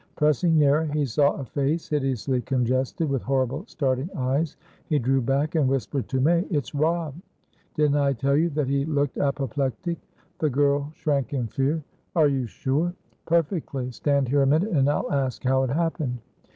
Pressing nearer, he saw a face hideously congested, with horrible starting eyes. He drew back, and whispered to May: "It's Robb! Didn't I tell you that he looked apoplectic." The girl shrank in fear. "Are you sure?" "Perfectly. Stand here a minute, and I'll ask how it happened."